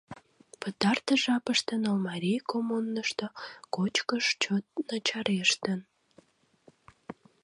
Пытартыш жапыште Нольмарий коммунышто кочкыш чот начарештын.